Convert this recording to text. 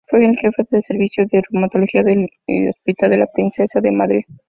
Fue jefe del Servicio de Reumatología del hospital de la Princesa de Madrid.